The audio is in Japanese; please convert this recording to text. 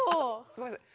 ごめんなさい。